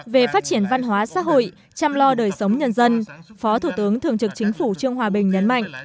về phát triển văn hóa xã hội chăm lo đời sống nhân dân phó thủ tướng thường trực chính phủ trương hòa bình nhấn mạnh